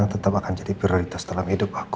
tetap akan jadi prioritas dalam hidup aku